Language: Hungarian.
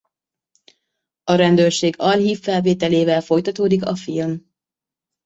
A rendőrség archív felvételével folytatódik a film.